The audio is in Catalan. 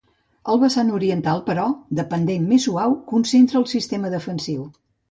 El vessant oriental, però, de pendent més suau, concentra el sistema defensiu.